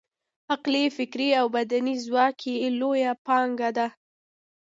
عقلي، فکري او بدني ځواک یې لویه پانګه ده.